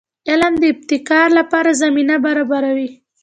علم د ابتکار لپاره زمینه برابروي.